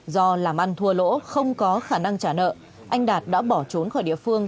do làm ăn thua lỗ không có khả năng trả nợ anh đạt đã bỏ trốn khỏi địa phương